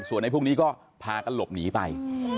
ส่วนไอ้พวกนี้ก็พากันหลบหนีไป